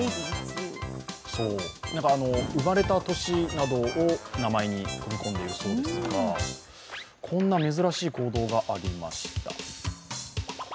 生まれた年などを名前に入れ込んでいるそうですがこんな珍しい行動がありました。